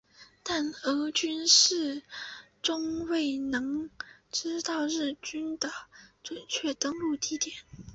但俄军始终未能知道日军的准确登陆地点。